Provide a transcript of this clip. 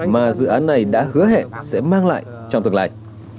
mà dự án này đã hứa hẹn sẽ mang lại trong tương lai